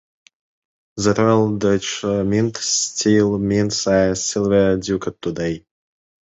The Royal Dutch Mint still mints a silver ducat today.